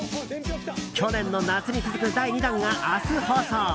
去年の夏に続く第２弾が明日放送。